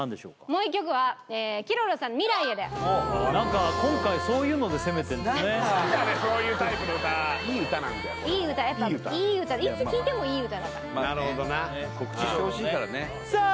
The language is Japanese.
もう一曲はＫｉｒｏｒｏさんの「未来へ」で何か今回そういうので攻めてんのね好きだねそういうタイプの歌いい歌なんだよいい歌やっぱいい歌はいつ聴いてもいい歌だからなるほどな告知してほしいからねさあ！